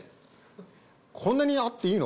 こんなにあっていいの？